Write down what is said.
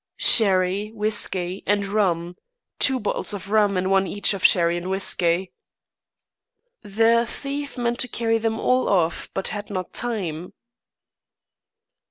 "Sherry, whiskey, and rum. Two bottles of rum and one each of sherry and whiskey." "The thief meant to carry them all off, but had not time."